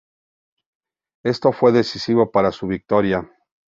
Esto fue decisivo para su victoria.